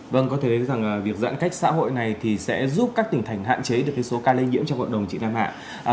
vâng có thể rằng việc giãn cách xã hội này sẽ giúp các tỉnh thành hạn chế được số ca lây nhiễm trong cộng đồng trị nam hạ